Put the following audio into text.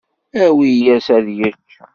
Awi-yas ad yečč.